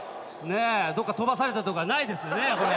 どっか飛ばされたりとかないですよねこれ。